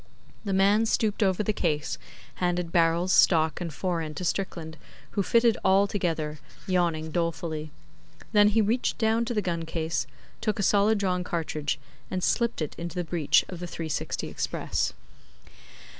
The man stooped over the case; handed barrels, stock, and fore end to Strickland, who fitted all together, yawning dolefully. Then he reached down to the gun case, took a solid drawn cartridge, and slipped it into the breech of the '360 Express.